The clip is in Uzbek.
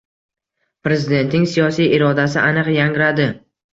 Prezidentning siyosiy irodasi aniq yangradi